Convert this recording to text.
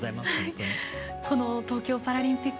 東京パラリンピック